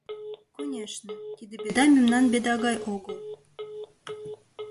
Конешне, тиде «Беда» мемнан «Беда» гай огыл.